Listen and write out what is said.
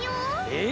え！？